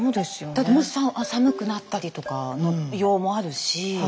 だってもし寒くなったりとかの用もあるし